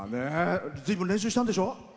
ずいぶん練習したんでしょう？